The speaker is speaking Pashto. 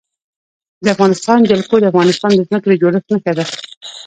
د افغانستان جلکو د افغانستان د ځمکې د جوړښت نښه ده.